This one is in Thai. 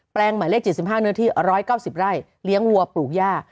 ลงหมายเลข๗๕เนื้อที่๑๙๐ไร่เลี้ยงวัวปลูกย่า